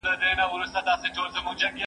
واښه راوړه!!